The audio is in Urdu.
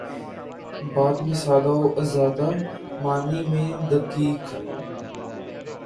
بات میں سادہ و آزادہ، معانی میں دقیق